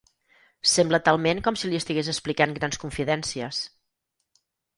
Sembla talment com si li estigués explicant grans confidències.